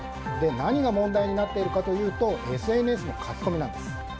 で、何が問題になっているかというとＳＮＳの書き込みなんです。